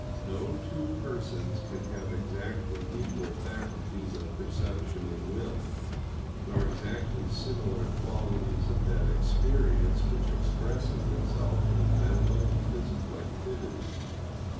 No two persons can have exactly equal faculties of perception and will, nor exactly similar qualities of that experience which expresses itself in mental and physical activities.